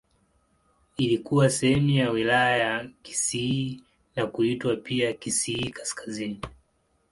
Ilikuwa sehemu ya Wilaya ya Kisii na kuitwa pia Kisii Kaskazini.